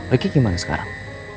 riki gimana sekarang